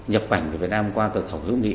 nhập cảnh về việt nam qua tờ khẩu hướng nghị